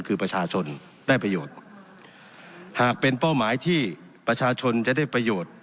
คือประชาชนได้ประโยชน์หากเป็นเป้าหมายที่ประชาชนจะได้ประโยชน์